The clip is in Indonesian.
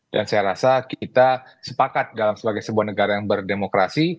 saya rasa kita sepakat dalam sebagai sebuah negara yang berdemokrasi